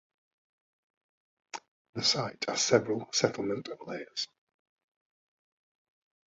The site has several settlement layers.